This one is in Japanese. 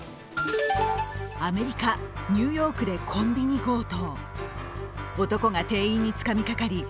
アメリカ・ニューヨークでコンビニ強盗。